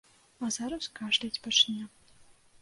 А зараз кашляць пачне.